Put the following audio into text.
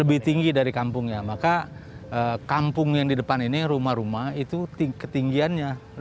lebih tinggi dari kampungnya maka kampung yang di depan ini rumah rumah itu ketinggiannya